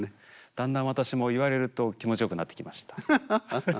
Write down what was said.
だんだん私も、言われると気持ちがよくなってきました。